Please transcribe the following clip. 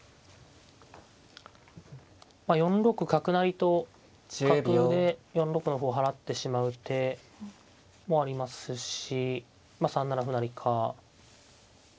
まあ４六角成と角で４六の歩を払ってしまう手もありますしまあ３七歩成か。